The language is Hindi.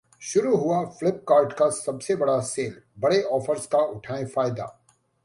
शुरू हुआ Flipkart का सबसे बड़ा सेल, बड़े ऑफर्स का उठाएं फायदा